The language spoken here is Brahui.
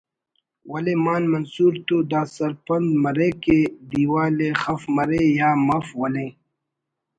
ولے مان منصور تو دا سرپند مریک کہ دیوال ءِ خف مرے یا مف ولے